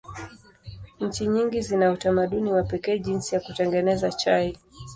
Nchi nyingi zina utamaduni wa pekee jinsi ya kutengeneza chai.